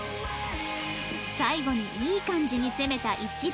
最後にいい感じに攻めた一同